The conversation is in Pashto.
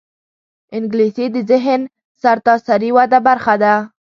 انګلیسي د ذهني سرتاسري وده برخه ده